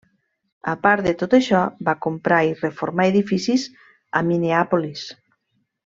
A part de tot això, va comprar i reformar edificis a Minneapolis.